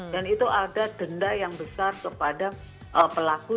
dan itu ada denda yang besar kepada pelaku